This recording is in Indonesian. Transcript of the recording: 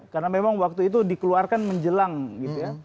karena memang waktu itu dikeluarkan menjelang gitu ya